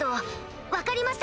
分かりました。